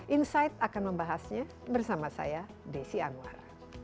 insight akan membahasnya bersama saya desi anwar